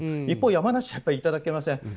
一方、山梨はいただけません。